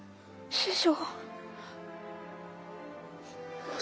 師匠！